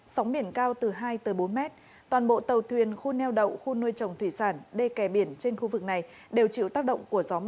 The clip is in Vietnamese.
sóng biển cao từ hai tới bốn mét toàn bộ tàu thuyền khu neo đậu khu nuôi trồng thủy sản